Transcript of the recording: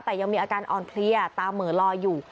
แต่ยังมีอาการอ่อนเพลียตาเหมือนลอยอยู่